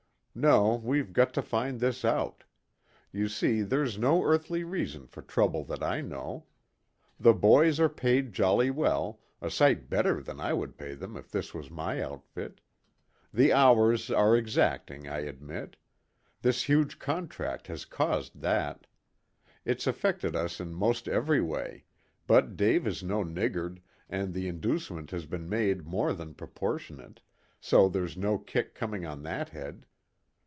No, we've got to find this out. You see there's no earthly reason for trouble that I know. The boys are paid jolly well, a sight better than I would pay them if this was my outfit. The hours are exacting, I admit. This huge contract has caused that. It's affected us in most every way, but Dave is no niggard, and the inducement has been made more than proportionate, so there's no kick coming on that head.